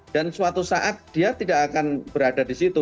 dan suatu saat dia tidak akan berada di situ